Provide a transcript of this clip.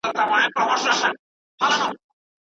فردي ملکیت باید له منځه لاړ نسي.